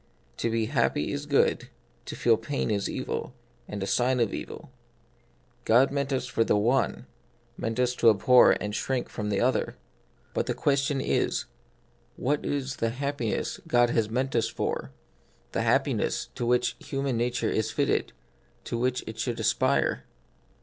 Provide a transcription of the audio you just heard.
To be happy is good : to feel pain is evil, and the sign of evil. God meant us for the one, meant us to abhor, and shrink from the other. But the question is, What is the happiness The Mystery of Pain. 39 God has meant us for, the happiness to which human nature is fitted, to which it should aspire